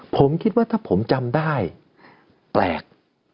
ผมคิดว่าถ้าผมจำได้แปลก